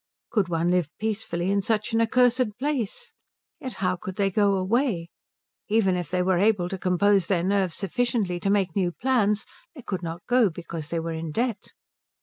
Could one live peacefully in such an accursed place? Yet how could they go away? Even if they were able to compose their nerves sufficiently to make new plans they could not go because they were in debt.